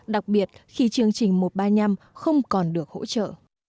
đặc biệt khi chương trình một trăm ba mươi năm không còn được hỗ trợ